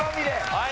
はい。